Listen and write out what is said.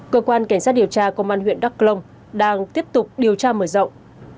cơ quan cảnh sát điều tra công an huyện đắk long đang tiếp tục điều tra mở rộng